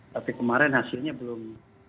tapi kemarin hasilnya belum